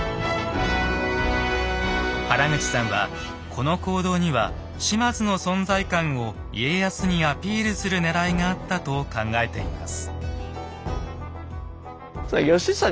原口さんはこの行動には島津の存在感を家康にアピールするねらいがあったと考えています。